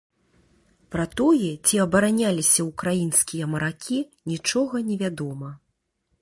Пра тое, ці абараняліся ўкраінскія маракі, нічога невядома.